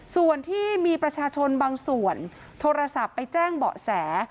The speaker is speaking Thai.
ส่วนที่มีประชาชนบางส่วนโทรศัพท์ไปแจ้งเบาะแส